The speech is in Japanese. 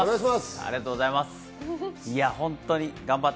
ありがとうございます。